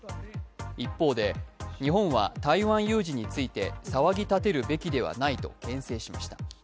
一方で日本は台湾有事について騒ぎ立てるべきではないとけん制しました。